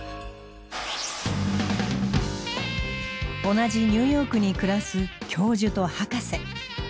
同じニューヨークに暮らす教授とハカセ。